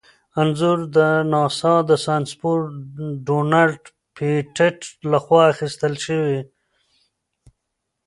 انځور د ناسا ساینسپوه ډونلډ پېټټ لخوا اخیستل شوی.